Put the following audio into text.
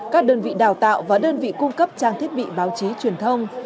các đơn vị đào tạo và đơn vị cung cấp trang thiết bị báo chí truyền thông